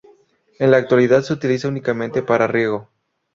En la actualidad se utiliza únicamente para riego.